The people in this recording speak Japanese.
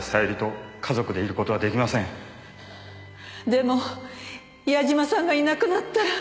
でも矢嶋さんがいなくなったら。